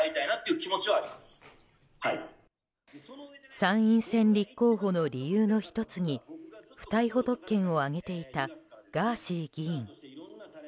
参院選立候補の理由の１つに不逮捕特権を挙げていたガーシー議員。